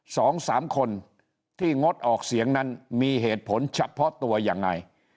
สองสามคนที่งดออกเสียงนั้นมีเหตุผลเฉพาะตัวยังไง